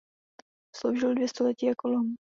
Sloužil dvě století jako lom.